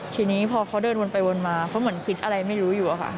ทีนี้พอเขาเดินวนไปวนมาเขาเหมือนคิดอะไรไม่รู้อยู่อะค่ะ